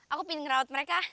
aku pingin ngerawat mereka